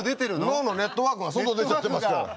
脳のネットワークが外出ちゃってますから。